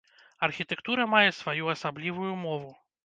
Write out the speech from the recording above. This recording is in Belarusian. Архітэктура мае сваю асаблівую мову.